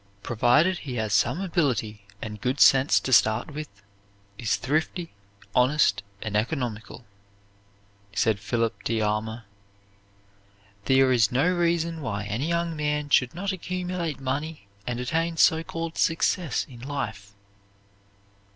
"Provided he has some ability and good sense to start with, is thrifty, honest, and economical," said Philip D. Armour, "there is no reason why any young man should not accumulate money and attain so called success in life."